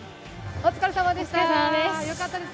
お疲れさまです。